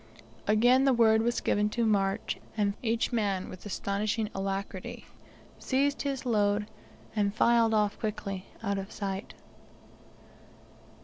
Again the word was given to march, and each man, with astonishing alacrity, seized his load, and filed off quickly out of sight.